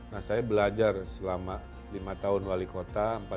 nah saya belajar selama lima tahun wali kota